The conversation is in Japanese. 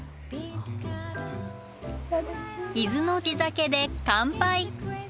伊豆の地酒で乾杯。